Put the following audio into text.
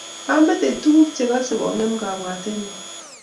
Ametei tuguk chagase kongem kabwatenyu